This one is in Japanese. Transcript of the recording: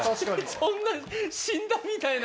そんな死んだみたいな。